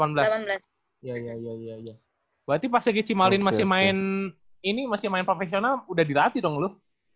berarti pas lagi ci marlin masih main ini masih main profesional udah dilatih dong lu